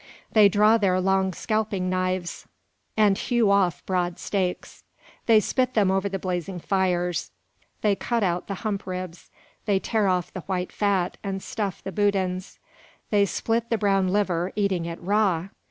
They draw their long scalping knives, and hew off broad steaks. They spit them over the blazing fires. They cut out the hump ribs. They tear off the white fat, and stuff the boudins. They split the brown liver, eating it raw!